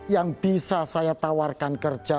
yang bisa saya tawarkan kerja